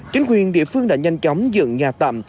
chính quyền địa phương đã nhanh chóng dựng nhà tạm